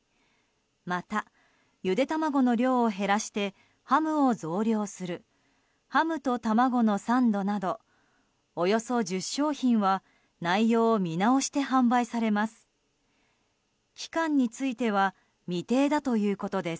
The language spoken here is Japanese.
また、ゆで卵の量を減らしてハムを増量するハムとたまごのサンドなどおよそ１０商品は内容を見直して販売されます。